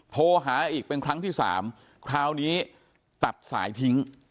โทรหาอีกเป็นครั้งที่สามคราวนี้ตัดสายทิ้ง